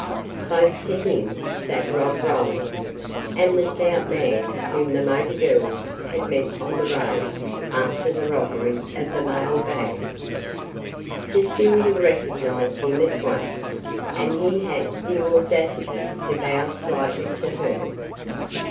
Close to him sat Rob Roland, and the stout man whom the motor girls had met on the road after the robbery of the mailbag. Cecilia recognized him at once, and he had the audacity to bow slightly to her.